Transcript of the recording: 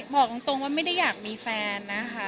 บอกตรงว่าไม่ได้อยากมีแฟนนะคะ